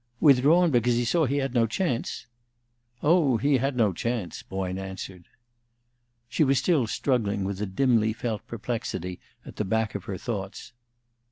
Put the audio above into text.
"Withdrawn because he saw he had no chance?" "Oh, he had no chance," Boyne answered. She was still struggling with a dimly felt perplexity at the back of her thoughts.